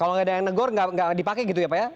kalau nggak ada yang negor nggak dipakai gitu ya pak ya